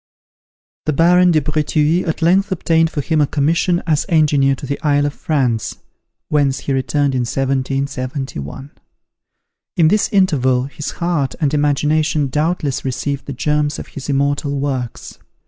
The Baron de Breteuil at length obtained for him a commission as Engineer to the Isle of France, whence he returned in 1771. In this interval, his heart and imagination doubtless received the germs of his immortal works.